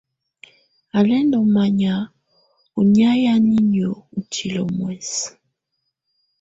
Á lɛ́ ndɔ́ manyá ɔ́ nɛ̀áyɛ niinyǝ́ ú tilǝ́ muɛsɛ.